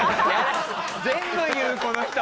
全部言うこの人。